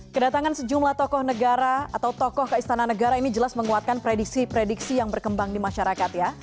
kedatangan sejumlah tokoh negara atau tokoh ke istana negara ini jelas menguatkan prediksi prediksi yang berkembang di masyarakat ya